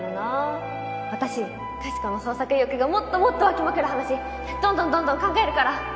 私かしこの創作意欲がもっともっと湧きまくる話どんどんどんどん考えるから。